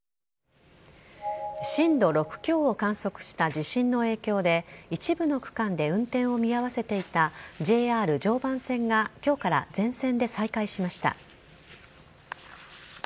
震度６強を観測した地震の影響で一部の区間で運転を見合わせていたＪＲ常磐線が今日から全線で再開しました。